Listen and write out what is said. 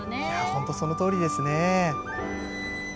本当、そのとおりですね。